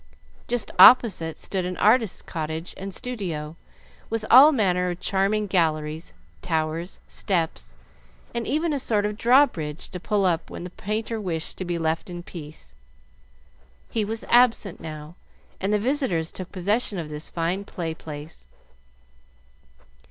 Just opposite stood an artist's cottage and studio, with all manner of charming galleries, towers, steps, and even a sort of drawbridge to pull up when the painter wished to be left in peace. He was absent now, and the visitors took possession of this fine play place.